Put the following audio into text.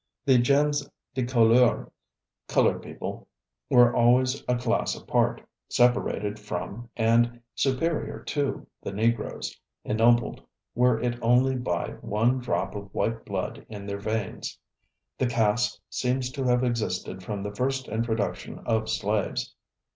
The gens de couleur, colored people, were always a class apart, separated from and superior to the Negroes, ennobled were it only by one drop of white blood in their veins. The caste seems to have existed from the first introduction of slaves.